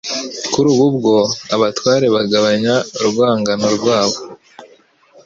Kuri ubu bwo, abatware bagabanya urwangano rwa bo.